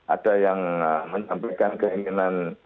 ada yang menyampaikan keinginan